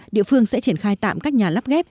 địa phương sẽ triển khai tạm các nhà lắp ghép